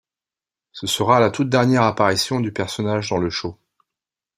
Ce sera la toute dernière apparition du personnage dans le show.